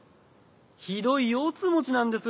ひどいようつうもちなんです。